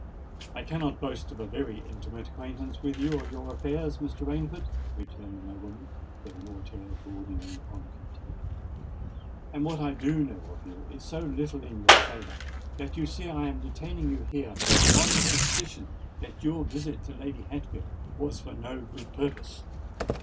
"I cannot boast of a very intimate acquaintance with you or your affairs, Mr. Rainford," returned the nobleman with a hauteur bordering on contempt; "and what I do know of you is so little in your favour that you see I am detaining you here on the suspicion that your visit to Lady Hatfield was for no good purpose.